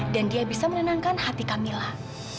dan dia bisa menenangkan hati kamilah